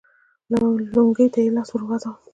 لونګۍ ته يې لاس ور وغځاوه.